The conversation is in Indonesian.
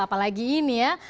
apalagi ini ya